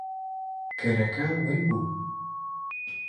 کەرەکە ون بوو.